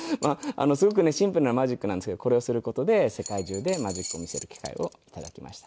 すごくねシンプルなマジックなんですけどこれをする事で世界中でマジックを見せる機会を頂きました。